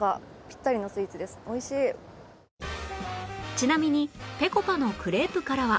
ちなみにぺこぱのクレープからは